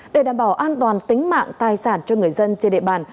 để đảm bảo an toàn tính mạng tài sản cho người dân trên địa bàn